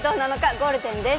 ゴールデンです。